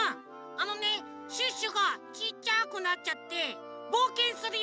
あのねシュッシュがちいちゃくなっちゃってぼうけんするゆめ！